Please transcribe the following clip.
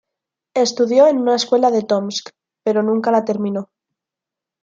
Estudió en una escuela de Tomsk, pero nunca la terminó.